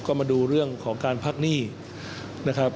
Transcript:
ก็มาดูเรื่องของการพักหนี้นะครับ